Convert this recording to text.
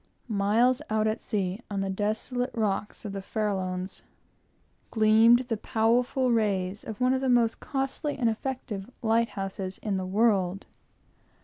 Miles out at sea, on the desolate rocks of the Farallones, gleamed the powerful rays of one of the most costly and effective light houses in the world.